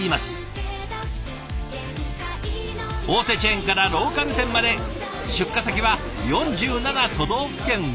大手チェーンからローカル店まで出荷先は４７都道府県くまなく。